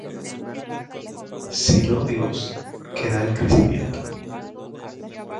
sino Dios, que da el crecimiento.